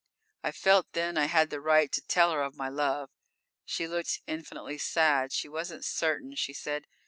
_ _I felt then I had the right to tell her of my love. She looked infinitely sad. She wasn't certain, she said.